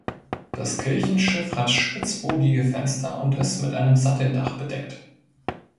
Das Kirchenschiff hat spitzbogige Fenster und ist mit einem Satteldach bedeckt.